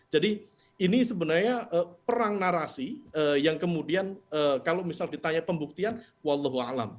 jadi ini sebenarnya perang narasi yang kemudian kalau misalnya ditanya pembuktian wallahu'alam